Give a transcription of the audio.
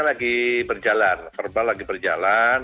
lagi berjalan verbal lagi berjalan